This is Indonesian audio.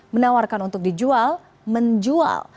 menawarkan untuk dijual menjual